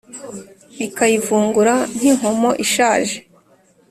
Ikayivungura nk’inkomo ishaje